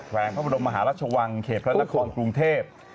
วงพระบรมมหาราชวังเขตพระนครกรุงเทพ